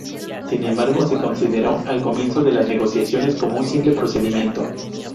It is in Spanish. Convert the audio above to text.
Sin embargo, se consideró al comienzo de las negociaciones como un simple procedimiento.